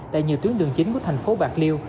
tại nhiều tuyến đường chính của thành phố bạc liêu